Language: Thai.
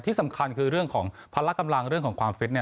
ที่สำคัญคือเรื่องของพละกำลังเรื่องของความฟิต